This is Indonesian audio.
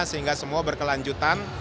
sehingga semua berkelanjutan